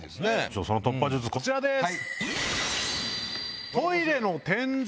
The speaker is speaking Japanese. その突破術こちらです！